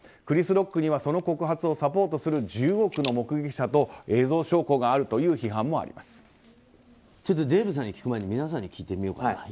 クリス・ロックにはその告発をサポートする１０億の目撃者と映像証拠があるという批判もデーブさんに聞く前に皆さんに聞いてみようかな。